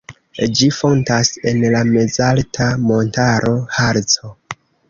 Ĝi fontas en la mezalta montaro Harco.